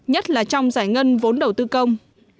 nhất là trong giải ngân vốn đầu tư công